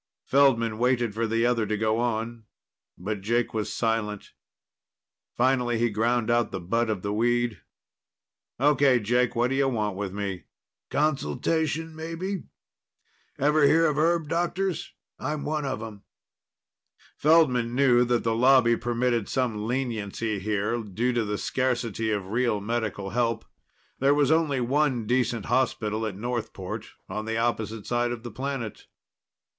Feldman waited for the other to go on, but Jake was silent. Finally, he ground out the butt of the weed. "Okay, Jake. What do you want with me?" "Consultation, maybe. Ever hear of herb doctors? I'm one of them." Feldman knew that the Lobby permitted some leniency here, due to the scarcity of real medical help. There was only one decent hospital at Northport, on the opposite side of the planet.